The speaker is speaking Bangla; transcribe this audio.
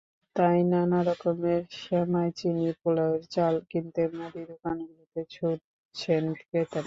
তাই নানা রকমের সেমাই-চিনি, পোলাওর চাল কিনতে মুদি দোকানগুলোতে ছুটছেন ক্রেতারা।